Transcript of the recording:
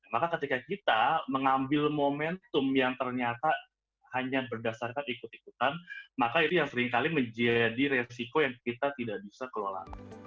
maka ketika kita mengambil momentum yang ternyata hanya berdasarkan ikut ikutan maka itu yang seringkali menjadi resiko yang kita tidak bisa kelola